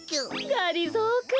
がりぞーくん。